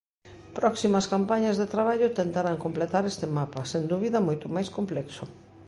Próximas campañas de traballo tentarán completar este mapa, sen dúbida moito máis complexo.